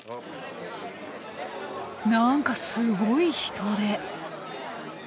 何かすごい人出。